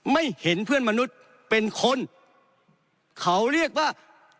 ไม่เห็นเพื่อนมนุษย์เป็นคนเขาเรียกว่า